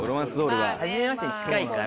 はじめましてに近いから。